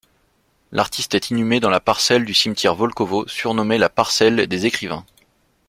L'artiste est inhumé dans la parcelle du Cimetière Volkovo surnommée la passerelle des écrivains.